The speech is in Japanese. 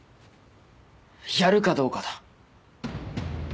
やるかどうかだ。